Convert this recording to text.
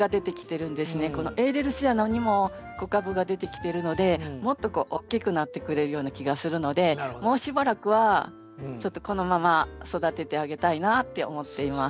エーレルシアナにも子株が出てきているのでもっと大きくなってくれるような気がするのでもうしばらくはちょっとこのまま育ててあげたいなって思っています。